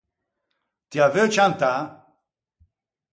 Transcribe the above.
Ti â veu ciantâ?